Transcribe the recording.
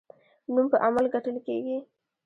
نوم په عمل ګټل کیږي